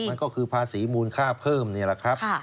มันก็คือภาษีมูลค่าเพิ่มนี่แหละครับ